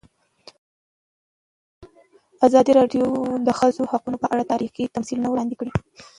ازادي راډیو د د ښځو حقونه په اړه تاریخي تمثیلونه وړاندې کړي.